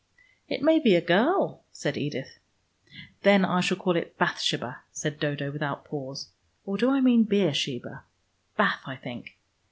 "It may be a girl," said Edith. "Then I shall call it Bathsheba," said Dodo without pause. "Or do I mean Beersheba? Bath, I think.